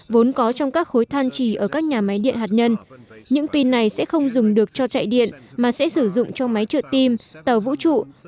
vốn có trong các khối than trì ở các nhà máy điện hạt nhân những pin này sẽ không dùng được cho chạy điện mà sẽ sử dụng cho máy trợ tim tàu vũ trụ